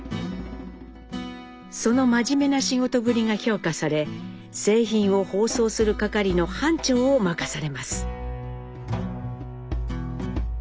その真面目な仕事ぶりが評価され製品を包装する係の班長を任されます。